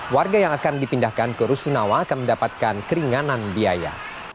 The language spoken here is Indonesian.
warga yang akan dipindahkan ke rusunawa akan mendapatkan keringanan biaya